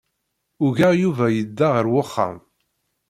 Ugaɣ Yuba yedda ɣer wexxam.